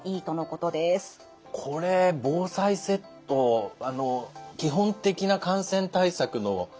これ防災セット基本的な感染対策のグッズ